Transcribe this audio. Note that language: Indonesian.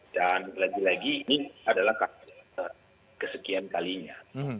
dan lagi lagi ini adalah kasus kesekian kalinya